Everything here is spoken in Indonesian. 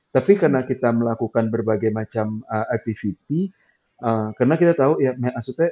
tapi karena kita melakukan berbagai macam activity karena kita tahu ya maksudnya